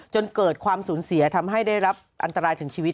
จนเกิดความสูญเสียทำให้ได้รับอันตรายถึงชีวิต